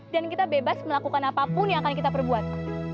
dan kita bebas melakukan apapun yang akan kita perbuat